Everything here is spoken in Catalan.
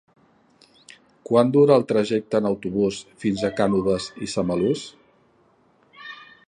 Quant dura el trajecte en autobús fins a Cànoves i Samalús?